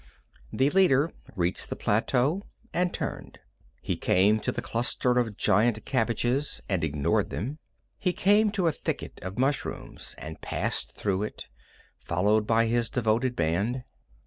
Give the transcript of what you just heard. The leader reached the plateau, and turned. He came to the cluster of giant cabbages, and ignored them. He came to a thicket of mushrooms, and passed through it, followed by his devoted band.